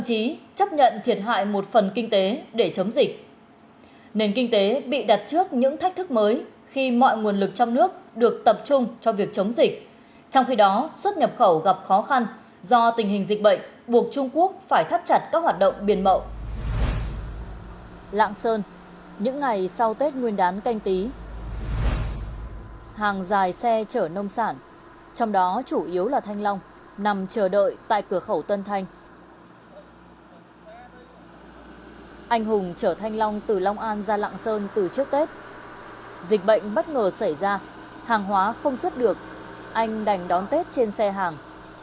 dịch bệnh bất ngờ xảy ra hàng hóa không xuất được anh đành đón tết trên xe hàng